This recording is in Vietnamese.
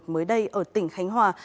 mới đây ở tỉnh khánh hòa